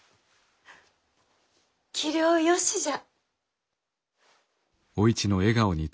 器量よしじゃ。